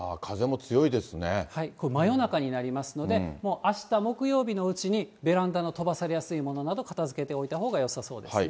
真夜中になりますので、もうあした木曜日のうちに、ベランダの飛ばされやすいものなど片づけておいたほうがよさそうですね。